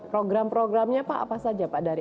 program programnya pak apa saja pak dari